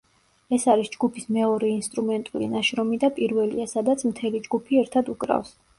ეს არის ჯგუფის მეორე ინსტრუმენტული ნაშრომი და პირველია, სადაც მთელი ჯგუფი ერთად უკრავს.